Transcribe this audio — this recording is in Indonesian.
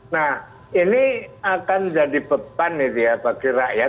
nah ini akan jadi beban gitu ya bagi rakyat